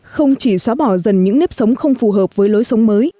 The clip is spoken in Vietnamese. không chỉ xóa bỏ dần những nếp sống không phù hợp với lối sống mới